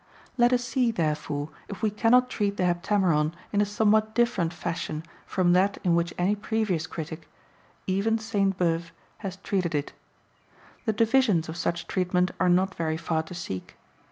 Let us see, therefore, if we cannot treat the Heptameron in a somewhat different fashion from that in which any previous critic, even Sainte Beuve, has treated it. The divisions of such treatment are not very far to seek.